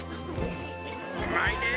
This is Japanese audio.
うまいねえ！